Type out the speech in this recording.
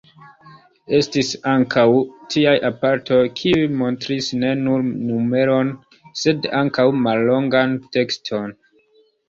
Estis ankaŭ tiaj aparatoj, kiuj montris ne nur numeron, sed ankaŭ mallongan tekston.